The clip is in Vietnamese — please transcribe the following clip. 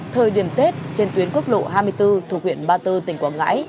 thời điểm tết trên tuyến quốc lộ hai mươi bốn thuộc huyện ba tơ tỉnh quảng ngãi